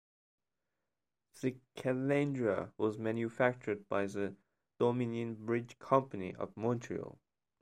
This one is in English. The calandria was manufactured by the Dominion Bridge Company of Montreal.